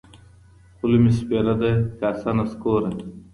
خوله مي سپېره ده کاسه نسکوره